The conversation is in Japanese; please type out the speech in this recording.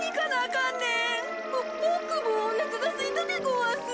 ボボクもおなかがすいたでごわす。